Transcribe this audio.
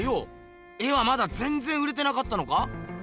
絵はまだぜんぜん売れてなかったのか？